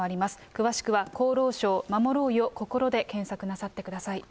詳しくは厚労省まもろうよこころで検索なさってください。